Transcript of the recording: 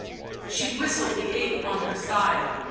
She whistled the ape on her side.